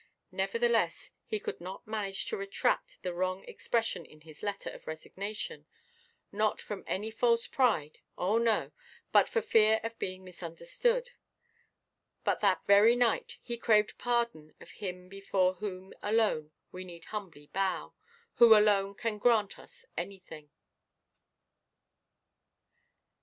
Nevertheless, he could not manage to retract the wrong expression in his letter of resignation; not from any false pride—oh no!—but for fear of being misunderstood. But that very night he craved pardon of Him before whom alone we need humbly bow; who alone can grant us anything.